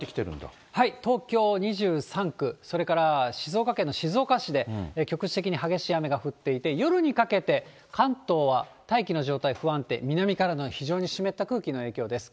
東京２３区、それから静岡県の静岡市で局地的に激しい雨が降っていて、夜にかけて、関東は大気の状態不安定、南からの非常に湿った空気の影響です。